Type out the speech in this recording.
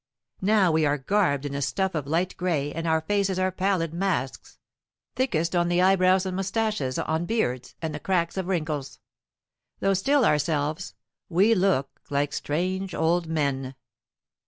Now we are garbed in a stuff of light gray and our faces are pallid masks, thickest on the eyebrows and mustaches, on beards, and the cracks of wrinkles. Though still ourselves, we look like strange old men.